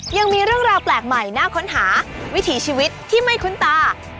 ยังมีเรื่องราวแปลกใหม่น่าค้นหาวิถีชีวิตที่ไม่คุ้นตา